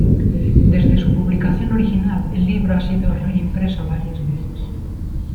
Desde su publicación original, el libro ha sido reimpreso varias veces.